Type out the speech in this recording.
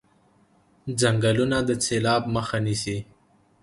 ځنګلونه د سیلاب مخه نیسي.